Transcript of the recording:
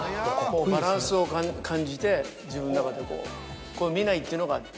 バランスを感じて自分の中でこう見ないっていうのが。